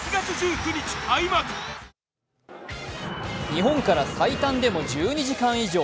日本から最短でも１２時間以上。